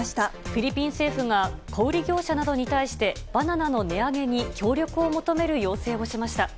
フィリピン政府が小売り業者などに対して、バナナの値上げに協力を求める要請をしました。